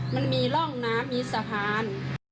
มันมีร่องน้ำมีสะพาน